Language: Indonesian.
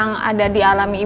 ini pada saat riki